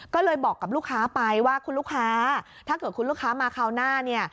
ก็เลยบอกกับลูกค้าไปว่าคุณลูกค้าถ้าเกิดคุณลูกค้ามาคราวหน้าเนี่ย